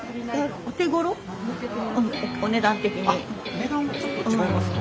値段もちょっと違いますか？